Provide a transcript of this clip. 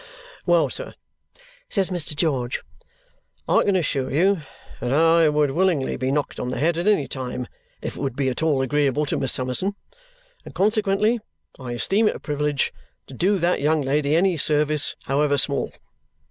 "Well, sir," says Mr. George, "I can assure you that I would willingly be knocked on the head at any time if it would be at all agreeable to Miss Summerson, and consequently I esteem it a privilege to do that young lady any service, however small.